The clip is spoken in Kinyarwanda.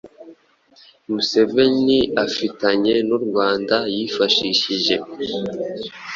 Museveni afitanye n’u Rwanda yifashishije